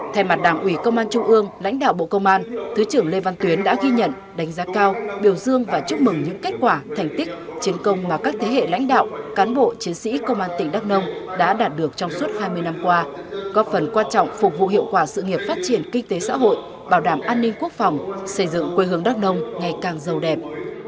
thay mặt đảng ủy công an trung ương lãnh đạo bộ công an thứ trưởng lê văn tuyến đã ghi nhận đánh giá cao biểu dương và chúc mừng những kết quả thành tích chiến công mà các thế hệ lãnh đạo cán bộ chiến sĩ công an tỉnh đắk nông đã đạt được trong suốt hai mươi năm qua góp phần quan trọng phục vụ hiệu quả sự nghiệp phát triển kinh tế xã hội bảo đảm an ninh quốc phòng xây dựng quê hương đắk nông ngày càng giàu đẹp